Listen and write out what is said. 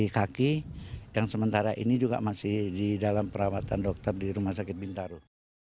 kaki yang sementara ini juga masih di dalam perawatan dokter di rumah sakit bintaro